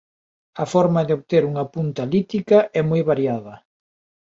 A forma de obter unha punta lítica é moi variada.